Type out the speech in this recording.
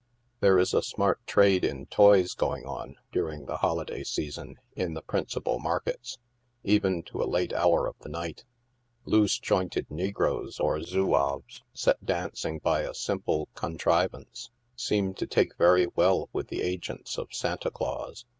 There is a smart trade in toys going on, during the holiday sea son, in the principal markets, even to a late hour of the night. Loose jointed negroes, or zouaves, set dancing by a simple contri vance, seem to take very well with the agents of Santa Claus.